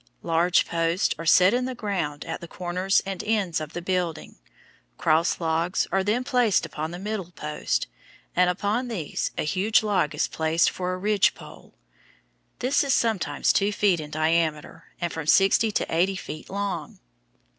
Large posts are set in the ground at the corners and ends of the building; cross logs are then placed upon the middle posts, and upon these a huge log is placed for a ridge pole. This is sometimes two feet in diameter and from sixty to eighty feet long.